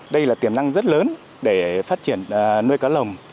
đây là tiềm năng rất lớn để phát triển nuôi cá lồng